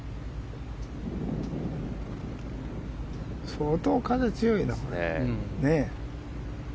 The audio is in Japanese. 相当、風強いな。